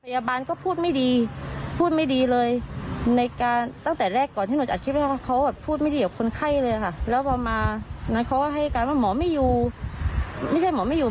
ให้หนูล๊อคคลิปเพราะว่าเขาพูดดีแต่หนูมีความรู้สึกว่าเขาไม่ได้พูดดีค่ะ